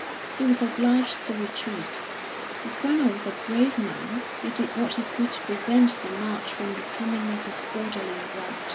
He was obliged to retreat. The Colonel was a brave man; he did what he could to prevent the march from becoming a disorderly rout.